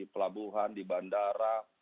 pelabuhan di bandara